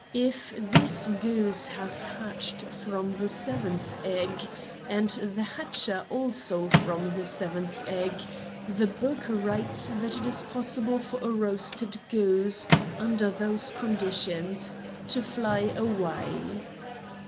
If this goose was hatched from the seventh egg, and the hatcher also from the seventh egg, the book writes that it is possible for a roasted goose, under those conditions, to fly away."